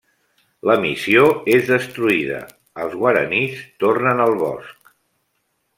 La missió és destruïda: els guaranís tornen al bosc.